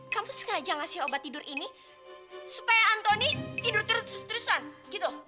kamu sengaja ngasih obat tidur ini supaya antoni tidur terus terusan gitu